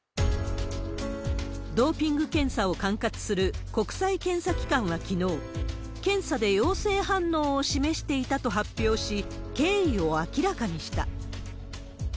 ドーピング検査を管轄する国際検査期間はきのう、検査で陽性反応を示していたと発表し、経緯を明らかにした。